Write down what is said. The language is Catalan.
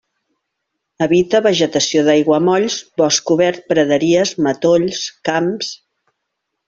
Habita vegetació d'aiguamolls, bosc obert, praderies, matolls, camps.